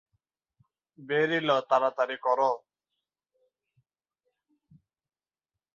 Beryl, তাড়াতাড়ি কর।